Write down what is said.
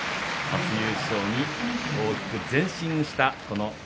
初優勝に大きく前進した。